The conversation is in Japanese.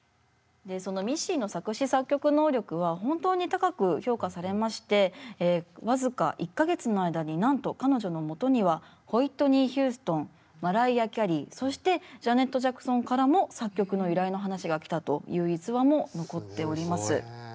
でそのミッシーの作詞作曲能力は本当に高く評価されまして僅か１か月の間になんと彼女のもとにはホイットニー・ヒューストンマライア・キャリーそしてジャネット・ジャクソンからも作曲の依頼の話が来たという逸話も残っております。